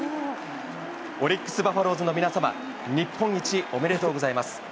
オリックスバファローズの皆様、日本一おめでとうございます。